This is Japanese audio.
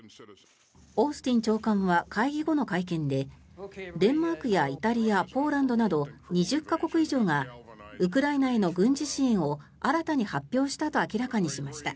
オースティン長官は会議後の会見でデンマークやイタリアポーランドなど２０か国以上がウクライナへの軍事支援を新たに発表したと明らかにしました。